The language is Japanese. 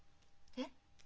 えっ？